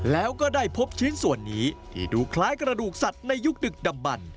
แล้วก็ได้พบชิ้นส่วนนี้ที่ดูคล้ายกระดูกสัตว์ในยุคดึกดำบัน